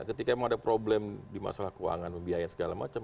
ketika memang ada problem di masalah keuangan membiayaan segala macam